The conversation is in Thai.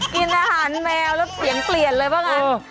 กินอาหารแมวแล้วเสียงเปลี่ยนเลยบ้างอ่ะ